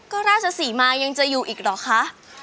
ก็ราชศรีมายังจะอยู่อีกเหรอคะ